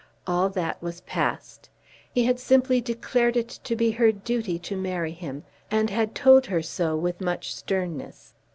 All that was past. He had simply declared it to be her duty to marry him, and had told her so with much sternness.